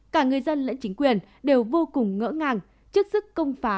cả người dân lẫn chính quyền đều vô cùng ngỡ ngàng trước sức công phá